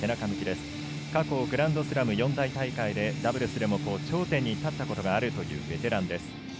過去、グランドスラム四大大会でダブルスでも頂点に立ったことのあるベテランです。